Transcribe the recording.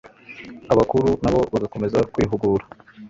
abakuru na bo bagakomeza kwihugura